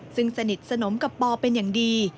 ซึ่งสนิทสนมกับปอเป็นอย่างดี